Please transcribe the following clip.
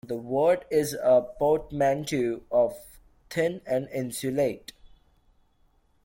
The word is a portmanteau of thin and insulate.